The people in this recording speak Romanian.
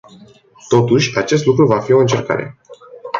Totuși, acest lucru va fi o încercare.